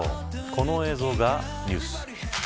この映像がニュース。